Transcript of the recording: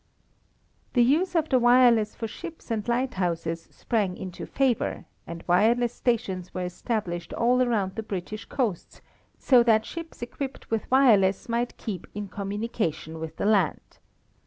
The use of the wireless for ships and lighthouses sprang into favor, and wireless stations were established all around the British coasts so that ships equipped with wireless might keep in communication with the land.